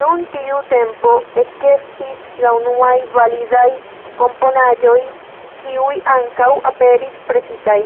Dum tiu tempo ekestis la unuaj validaj komponaĵoj, kiuj ankaŭ aperis presitaj.